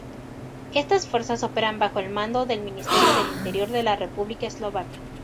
Estas fuerzas operan bajo el mando del Ministerio del Interior de la República Eslovaca.